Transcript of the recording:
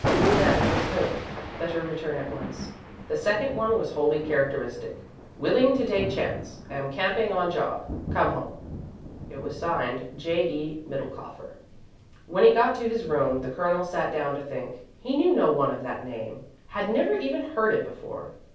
New man gives hope. Better return at once." The second one was wholly characteristic: "Willing to take chance. Am camping on job. Come home." It was signed: "J. E. Middlekauffer." When he got to his room, the Colonel sat down to think. He knew no one of that name had never even heard it before.